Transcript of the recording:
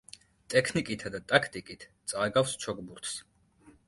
ტექნიკითა და ტაქტიკით წააგავს ჩოგბურთს.